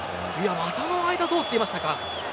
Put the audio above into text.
股の間を通っていましたか。